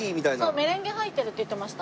メレンゲ入ってるって言ってました。